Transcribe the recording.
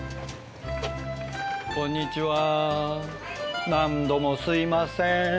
こんにちは何度もすいません。